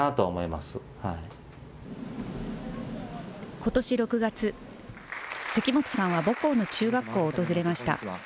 ことし６月、関本さんは母校の中学校を訪れました。